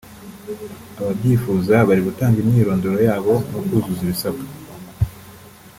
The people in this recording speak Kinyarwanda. ababyifuza bari gutanga imyirondoro yabo no kuzuza ibisabwa